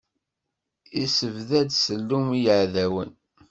Issebdad ssellum i yeɛdawen.